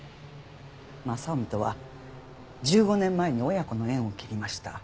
雅臣とは１５年前に親子の縁を切りました。